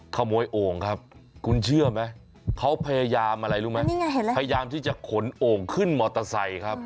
โอ่งครับคุณเชื่อไหมเขาพยายามอะไรรู้ไหมพยายามที่จะขนโอ่งขึ้นมอเตอร์ไซค์ครับ